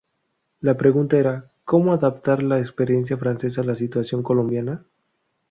La pregunta era ¿cómo adaptar la experiencia francesa a la situación colombiana?